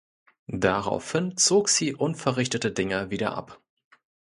Daraufhin zog sie unverrichteter Dinge wieder ab.